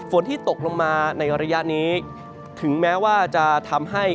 ที่ตกลงมาในระยะนี้ถึงแม้ว่าจะทำให้